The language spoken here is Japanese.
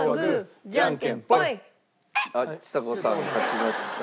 ちさ子さん勝ちました。